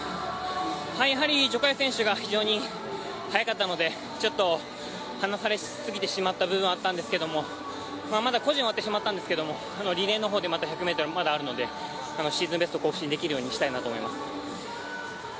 徐嘉余選手が非常に速かったので、ちょっと離されすぎてしまった部分はあったんですけど個人は終わってしまったんですけど、リレーの方で１００ｍがまだあるのでシーズンベスト更新できるようにしたいなと思います。